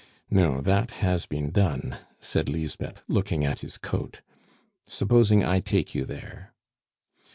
"No, that has been done," said Lisbeth, looking at his coat. "Supposing I take you there."